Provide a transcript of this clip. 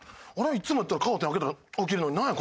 いつもやったらカーテン開けたら起きるのになんや？